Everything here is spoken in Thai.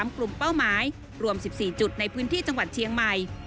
กลุ่มเป้าหมายรวม๑๔จุดในพื้นที่จังหวัดเชียงใหม่